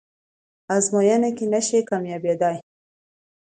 ازموینه کې نشئ کامیابدلی